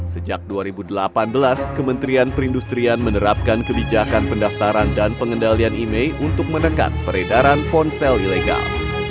sejak dua ribu delapan belas kementerian perindustrian menerapkan kebijakan pendaftaran dan pengendalian imei untuk menekan peredaran ponsel ilegal